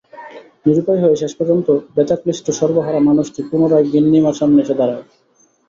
নিরুপায় হয়ে, শেষ পর্যন্ত ব্যথাক্লিষ্ট সর্বহারা মানুষটি পুনরায় গিন্নিমার সামনে এসে দাঁড়ায়।